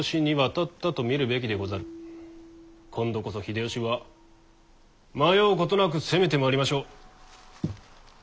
今度こそ秀吉は迷うことなく攻めてまいりましょう。